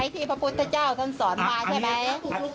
ที่พระพุทธเจ้าท่านสอนมาใช่ไหม